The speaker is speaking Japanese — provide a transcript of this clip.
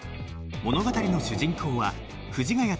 物語の主人公は藤ヶ谷太輔演じる